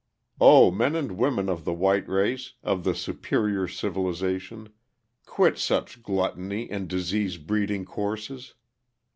] O men and women of the white race, of the superior civilization, quit such gluttony and disease breeding courses!